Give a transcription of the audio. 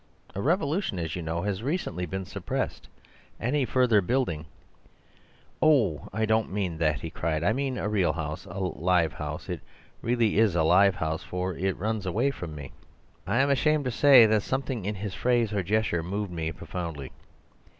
A revolution, as you know, has recently been suppressed. Any further building—' "'Oh! I don't mean that,' he cried; 'I mean a real house—a live house. It really is a live house, for it runs away from me.' "'I am ashamed to say that something in his phrase or gesture moved me profoundly.